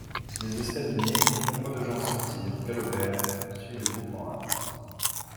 Des estaminets, nombre de gens sortirent, galopèrent, suivis de groupes en hâte.